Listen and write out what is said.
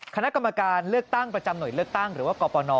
คณะกรรมการเลือกตั้งประจำหน่วยเลือกตั้งหรือว่ากรปน